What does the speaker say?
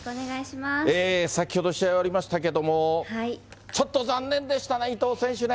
先ほど試合終わりましたけども、ちょっと残念でしたね、伊藤選手ね。